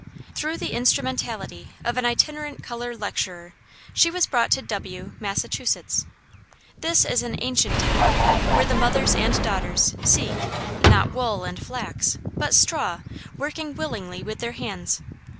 Through the instrumentality of an itinerant colored lecturer, she was brought to W , Mass. This is an ancient town, where the mothers and daughters seek, not "wool and flax," but STRAW, working willingly with their hands!